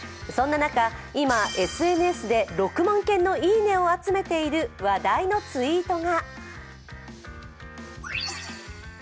そんな中、今ＳＮＳで６万件の「いいね」を集めている話題のツイートが。